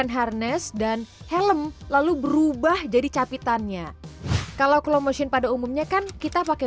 harness dan helm lalu berubah jadi capitannya kalau machine pada umumnya kan kita pakai